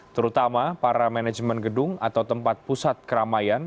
terutama para manajemen gedung atau tempat pusat keramaian